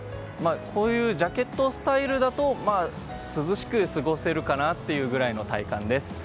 こういうジャケットスタイルだと涼しく過ごせるかなっていうぐらいの体感です。